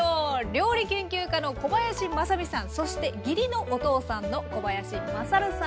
料理研究家の小林まさみさんそして義理のお父さんの小林まさるさんです。